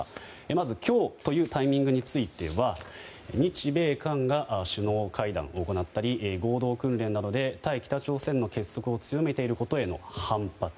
まず今日というタイミングについては日米韓が首脳会談を行ったり合同訓練などで対北朝鮮への結束を強めていることへの反発。